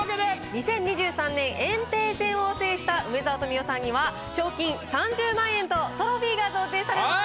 ２０２３年炎帝戦を制した梅沢富美男さんには賞金３０万円とトロフィーが贈呈されます。